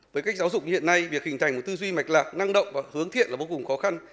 với cách giáo dục hiện nay việc hình thành một tư duy mạch lạc năng động và hướng thiện là vô cùng khó khăn